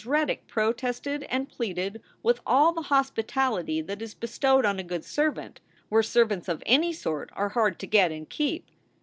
Reddick protested and pleaded with all the hospi tality that is bestowed on a good servant where servants of any sort are hard to get and keep.